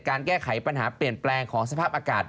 แก้ไขปัญหาเปลี่ยนแปลงของสภาพอากาศ